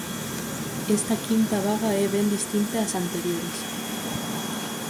Esta quinta vaga é ben distinta ás anteriores.